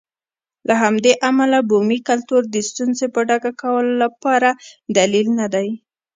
له همدې امله بومي کلتور د ستونزې په ډاګه کولو لپاره دلیل نه دی.